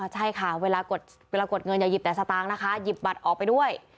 ใช่ค่ะเวลากดเงินอย่าหยิบแต่สตางค์นะคะหยิบบัตรออกไปด้วย